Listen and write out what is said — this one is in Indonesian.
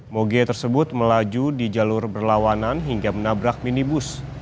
moge tersebut melaju di jalur berlawanan hingga menabrak minibus